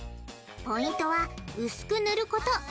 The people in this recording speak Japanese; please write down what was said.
ポイントは薄く塗ること。